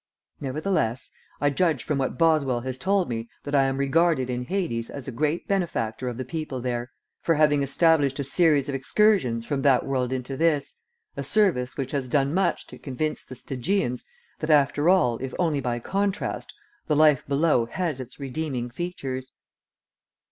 Nevertheless, I judge from what Boswell has told me that I am regarded in Hades as a great benefactor of the people there, for having established a series of excursions from that world into this, a service which has done much to convince the Stygians that after all, if only by contrast, the life below has its redeeming features.